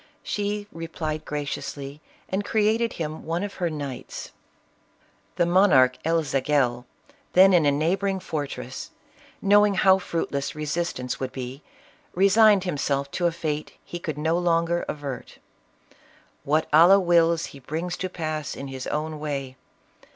She replied graciously and created him one of her knights. The monarch El Zagel, then in a neighboring fortress, knowing how fruitless resistance would be, resigned himself to a fate he could no longer avert. " What Allah wills he brings to pass in his own way.